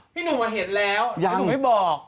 พี่หนุ่มเห็นแล้วหนูไม่บอก